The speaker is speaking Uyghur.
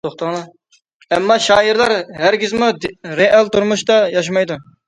ئەمما شائىرلار ھەرگىزمۇ رېئال تۇرمۇشتا ياشىمايدۇ.